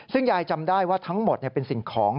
ซึ่งยายจำได้ว่าทั้งหมดเป็นสิ่งของ